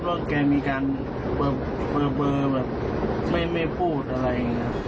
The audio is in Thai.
เพราะว่าแกมีการเบลอแบบไม่พูดอะไร